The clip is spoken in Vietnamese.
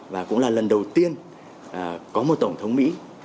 và cũng là lần đầu tiên có một tổng thống mỹ